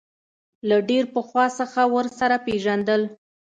له ډېر پخوا څخه ورسره پېژندل.